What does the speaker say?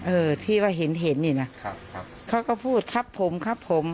เออที่ว่าเห็นอยู่นะเขาก็พูดครับผมครับผม